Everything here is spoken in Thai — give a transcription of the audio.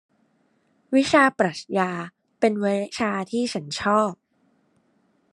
วิชาปรัขญาเป็นวิชาที่ฉันชอบ